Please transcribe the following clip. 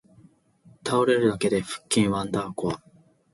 倒れるだけで腹筋ワンダーコア